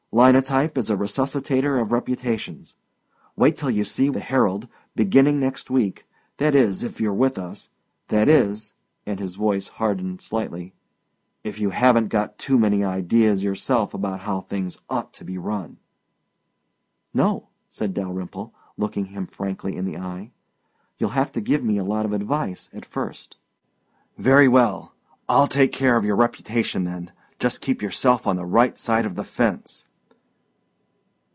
Linotype is a resuscitator of reputations. Wait till you see the HERALD, beginning next week that is if you're with us that is," and his voice hardened slightly, "if you haven't got too many ideas yourself about how things ought to be run." "No," said Dalyrimple, looking him frankly in the eye. "You'll have to give me a lot of advice at first." "Very well. I'll take care of your reputation then. Just keep yourself on the right side of the fence."